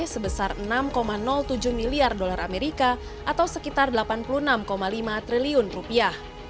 sebesar enam tujuh miliar dolar amerika atau sekitar delapan puluh enam lima triliun rupiah